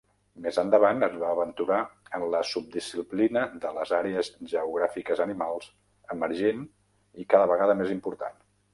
Més endavant, es va aventurar en la subdisciplina de les àrees geogràfiques animals, emergent i cada vegada més important.